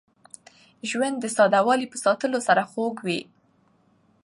ژوند د ساده والي په ساتلو سره خوږ وي.